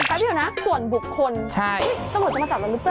แป๊บเดี๋ยวนะส่วนบุคคลต้องหมดจะมาจับมันหรือเปล่าใช่